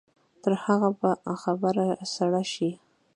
تر هغو به خبره سړه شي.